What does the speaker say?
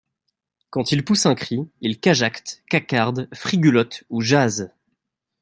Quand il pousse un cri, il cajacte, cacarde, frigulote ou jase.